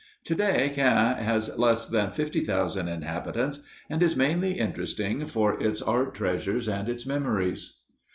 To day, Caen has less than fifty thousand inhabitants, and is mainly interesting for its art treasures and its memories.